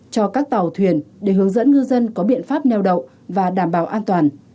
cho các tàu thuyền để hướng dẫn ngư dân có biện pháp neo đậu và đảm bảo an toàn